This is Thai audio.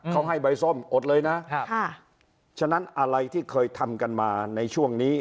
เขาให้ใบส้มอดเลยนะครับฉะนั้นอะไรที่เคยทำกันมาในช่วงนี้